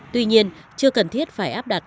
tuy nhiên chưa cần thiết phải áp đặt